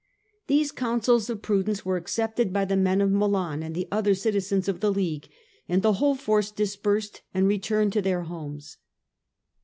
These counsels of prudence were accepted by the men of Milan and the other citizens of the League, and the whole force dis persed and returned to their homes.